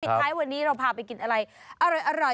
ท้ายวันนี้เราพาไปกินอะไรอร่อย